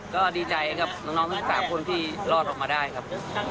ก็ดีใจกับน้องทั้ง๓คนที่รอดออกมาได้ครับ